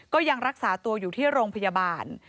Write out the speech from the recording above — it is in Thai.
ก็ยังรักษาตัวอยู่ที่โรงพยาบาล